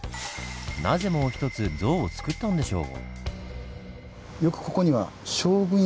なぜもう一つ像をつくったんでしょう？